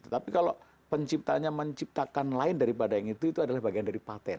tapi kalau penciptanya menciptakan lain daripada yang itu itu adalah bagian dari patent